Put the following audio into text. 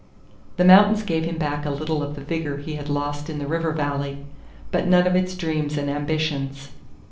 The mountains gave him back a little of the vigor he had lost in the river valley, but none of its dreams and ambitions.